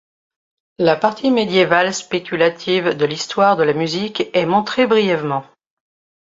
La partie médiévale spéculative de l'histoire de la musique est montrée brièvement.